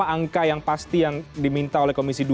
angka yang pasti yang diminta oleh komisi dua